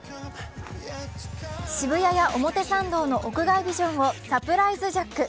渋谷や表参道の屋外ビジョンをサプライズジャック。